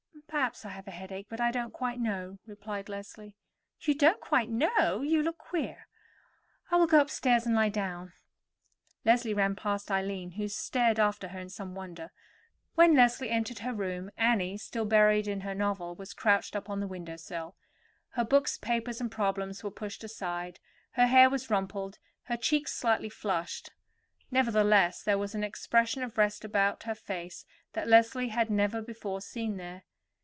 "Perhaps I have a headache; but I don't quite know," replied Leslie. "You don't quite know? You look queer." "I will go upstairs and lie down." Leslie ran past Eileen, who stared after her in some wonder. When Leslie entered her room, Annie, still buried in her novel, was crouched up on the window sill. Her books, papers, and problems were pushed aside; her hair was rumpled, her cheeks slightly flushed; nevertheless, there was an expression of rest about her face that Leslie had never before seen there.